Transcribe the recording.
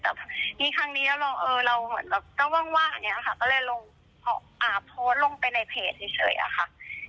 แต่ครั้งนี้เราเหมือนแบบก็ว่างอย่างนี้ค่ะก็เลยลงโพสต์ลงไปในเพจเฉยอะค่ะ